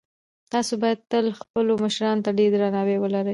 تاسو باید تل خپلو مشرانو ته ډېر درناوی ولرئ.